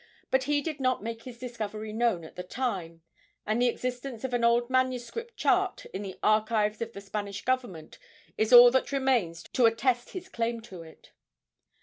But he did not make his discovery known at the time, and the existence of an old manuscript chart in the archives of the Spanish government is all that remains to attest his claim to it.